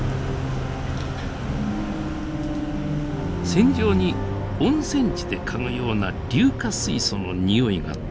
船上に温泉地で嗅ぐような硫化水素のにおいが立ちこめます。